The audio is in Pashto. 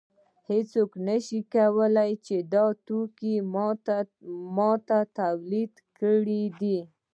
هېڅوک نشي ویلی چې دا توکی ما تولید کړی دی